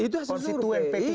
itu sudah disurvey